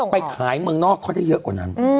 ไปขายเมืองนอกเขาได้เยอะกว่านั้น